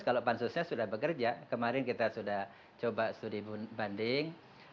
kalau pansusnya sudah bekerja kemarin kita sudah coba studi banding